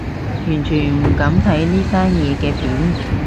完全唔敢睇呢單嘢嘅片